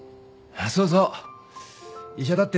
そうそう医者だってよ